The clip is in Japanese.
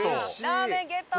ラーメンゲット！